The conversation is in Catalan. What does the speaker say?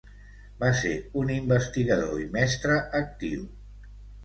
Va ser un investigador i mestre actiu.